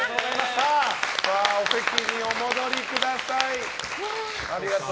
お席にお戻りください。